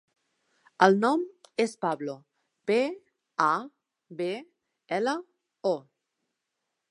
El nom és Pablo: pe, a, be, ela, o.